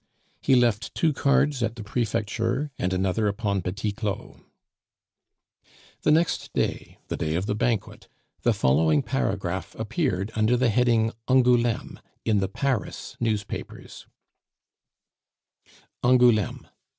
He left two cards at the prefecture, and another upon Petit Claud. The next day, the day of the banquet, the following paragraph appeared under the heading "Angouleme" in the Paris newspapers: "ANGOULEME.